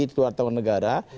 di luar tahun negara